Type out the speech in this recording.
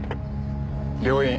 病院。